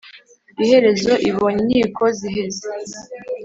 Iherezo ibonye inkiko ziheze